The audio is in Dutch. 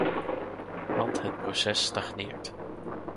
Want het proces stagneert.